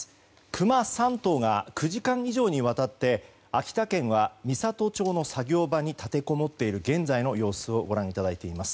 クマ３頭が９時間以上にわたって秋田県は美郷町の作業場に立てこもっている現在の様子をご覧いただいています。